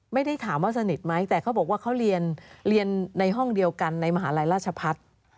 ไม่ได้ถามว่าสนิทไหมแต่เขาบอกว่าเขาเรียนในห้องเดียวกันในมหาลัยราชพัฒน์